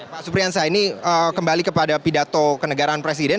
pak supriyansa ini kembali kepada pidato kenegaraan presiden